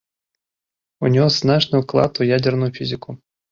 Унёс значны ўклад у ядзерную фізіку.